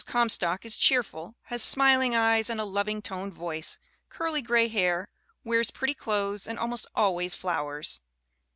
Comstock is cheerful, "has smiling eyes, a loving toned voice, curly gray hair, wears pretty clothes and almost always flowers.